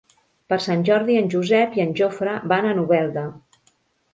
Per Sant Jordi en Josep i en Jofre van a Novelda.